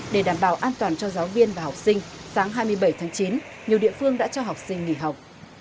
để đảm bảo an toàn cho giáo viên và học sinh sáng hai mươi bảy tháng chín nhiều địa phương đã cho học sinh nghỉ học